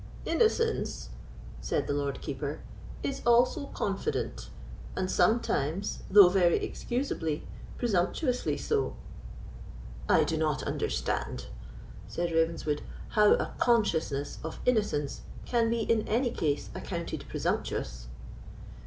"Innocence," said the Lord Keeper, "is also confident, and sometimes, though very excusably, presumptuously so." "I do not understand," said Ravenswood, "how a consciousness of innocence can be, in any case, accounted presumptuous."